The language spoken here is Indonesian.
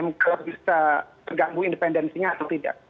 m ko bisa tergabung independensinya atau tidak